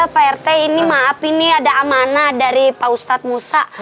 pak rt ini maaf ini ada amanah dari pak ustadz musa